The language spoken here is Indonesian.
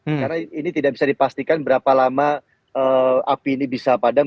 karena ini tidak bisa dipastikan berapa lama api ini bisa padam